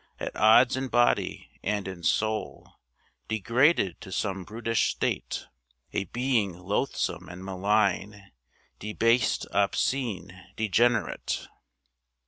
At odds in body and in soul, Degraded to some brutish state, A being loathsome and malign, Debased, obscene, degenerate.